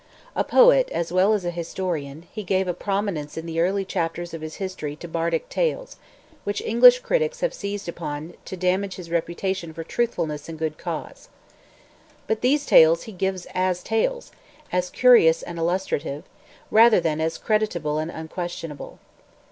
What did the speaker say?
A poet, as well as a historian, he gave a prominence in the early chapters of his history to bardic tales, which English critics have seized upon to damage his reputation for truthfulness and good sense. But these tales he gives as tales—as curious and illustrative—rather than as credible and unquestionable.